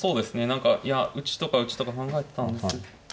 何かいや打ちとか打ちとか考えてたんです。